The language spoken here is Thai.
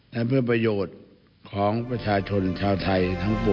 และเพื่อประโยชน์ของประชาชนชาวไทยทั้งปวง